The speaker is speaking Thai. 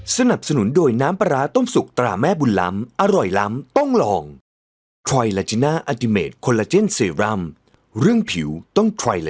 จะเอาอย่างนั้นได้อย่างนั้นได้อย่างนั้น